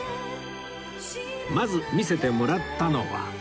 まず見せてもらったのは